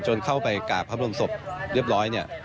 เข้าไปกราบพระบรมศพเรียบร้อยเนี่ย